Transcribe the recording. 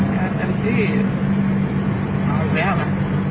แกเต็มที่เอาอีกแล้วนะ